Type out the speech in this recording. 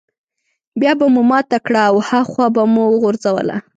بيا به مو ماته کړه او هاخوا به مو وغورځوله.